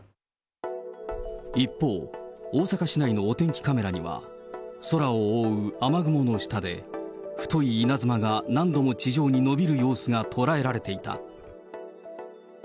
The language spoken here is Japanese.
一方、大阪市内のお天気カメラには、空を覆う雨雲の下で、太い稲妻が何度も地上にのびる様子が捉えられていた。